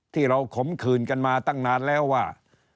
ที่เราขมคืนกันมาตั้งนานแล้วว่า